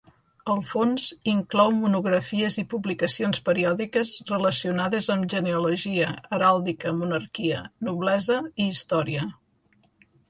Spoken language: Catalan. El fons inclou monografies i publicacions periòdiques relacionades amb genealogia, heràldica, monarquia, noblesa i història.